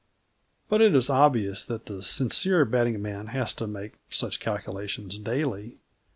But it is obvious that the sincere betting man has to make such calculations daily.